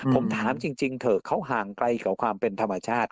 ผมถามจริงเถอะเขาห่างไกลกับความเป็นธรรมชาติ